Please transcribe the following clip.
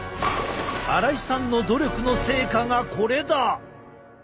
荒井さんの努力の成果がこれだ！